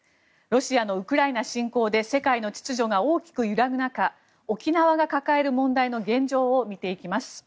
ロシアのウクライナ侵攻で世界の秩序が大きく揺らぐ中沖縄が抱える問題の現状を見ていきます。